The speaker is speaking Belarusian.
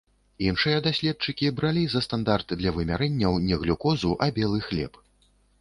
Іншыя даследчыкі бралі за стандарт для вымярэнняў не глюкозу, а белы хлеб.